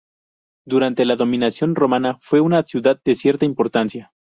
Durante la dominación romana fue una ciudad de cierta importancia.